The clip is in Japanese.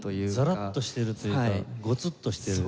ザラッとしてるというかゴツッとしてる。